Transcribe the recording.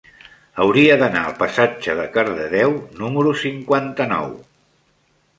Hauria d'anar al passatge de Cardedeu número cinquanta-nou.